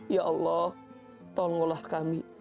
ya allah tolonglah kami